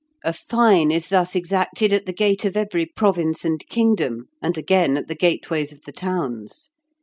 A fine is thus exacted at the gate of every province and kingdom, and again at the gateways of the towns.